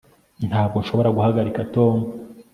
Ntabwo nshobora guhagarika Tom